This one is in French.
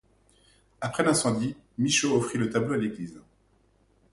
Après l'incendie, Michaud offrit le tableau à l’église.